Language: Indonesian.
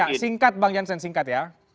ya singkat bang jansen singkat ya